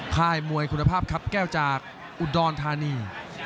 ค่ายมวยคุณภาพครับแก้วจากอุดรธานี